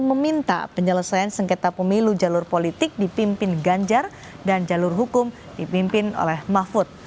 meminta penyelesaian sengketa pemilu jalur politik dipimpin ganjar dan jalur hukum dipimpin oleh mahfud